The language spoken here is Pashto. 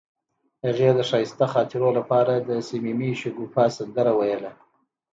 هغې د ښایسته خاطرو لپاره د صمیمي شګوفه سندره ویله.